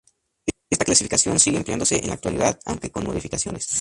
Esta clasificación sigue empleándose en la actualidad, aunque con modificaciones.